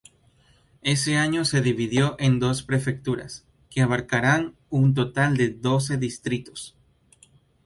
Ese año se dividió en dos prefecturas, que abarcaban un total de doce distritos.